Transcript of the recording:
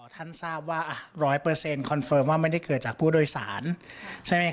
ทราบว่า๑๐๐คอนเฟิร์มว่าไม่ได้เกิดจากผู้โดยสารใช่ไหมค